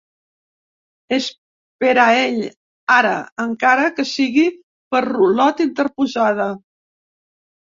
És per a ell, ara, encara que sigui per rulot interposada.